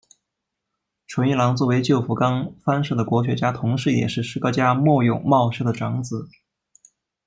纯一郎作为旧福冈藩士的国学家同是也是诗歌家末永茂世的长子。